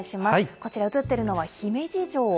こちら、映っているのは姫路城。